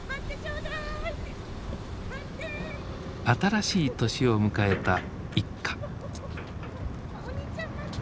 新しい年を迎えた一家。